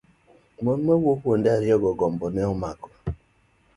Mon mane wuok kuonde ariyogo, gombo ne omako.